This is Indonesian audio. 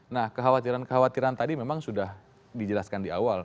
nah kekhawatiran kekhawatiran tadi memang sudah dijelaskan di awal